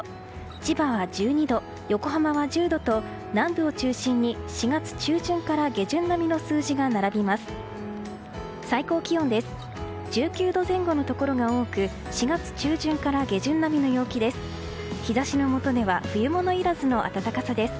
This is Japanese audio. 千葉は１２度、横浜は１０度と南部を中心に４月中旬から下旬並みの数字が並びます。